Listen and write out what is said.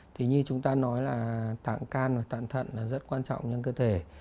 thì như chúng ta nói là tạng can và tạng thận là rất quan trọng cho cơ thể